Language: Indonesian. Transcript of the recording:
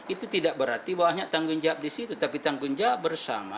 itu tidak berarti banyak tanggung jawab di situ tapi tanggung jawab bersama